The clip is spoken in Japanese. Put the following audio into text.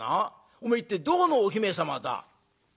おめえ一体どこのお姫様だ？」。